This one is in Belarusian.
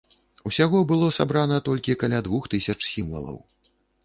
Усяго было сабрана толькі каля двух тысяч сімвалаў.